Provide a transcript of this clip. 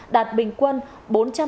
đạt bình quân bốn chín triệu usd một tấn